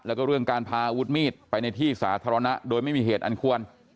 แล้วก็เรื่องการพาอาวุธมีดไปในที่สาธารณะโดยไม่มีเหตุอันควร